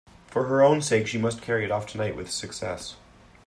For her own sake, she must carry it off tonight with success.